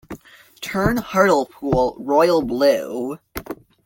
Turn Hartlepool Royal Blue.